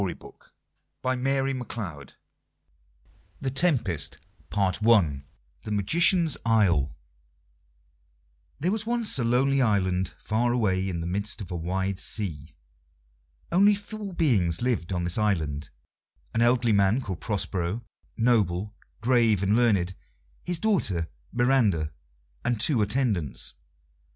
etc. The Tempest The Magician's Isle There was once a lonely island far away in the midst of a wide sea. Only four beings lived on this island: an elderly man called Prospero, noble, grave and learned; his daughter Miranda; and two attendants.